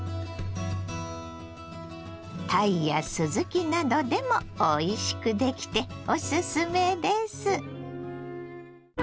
たいやすずきなどでもおいしくできておすすめです。